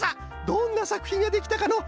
どんなさくひんができたかの？